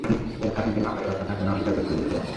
এখন তিনি মামলা করার কথা কেন অস্বীকার করছেন বুঝতে পারছি না।